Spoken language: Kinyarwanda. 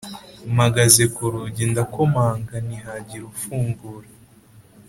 mpagaze kurugi ndakomanga ntihagire ufungura